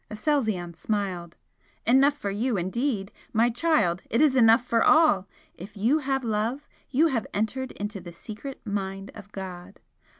Aselzion smiled. "Enough for you indeed! My child, it is enough for all! If you have love, you have entered into the secret mind of God!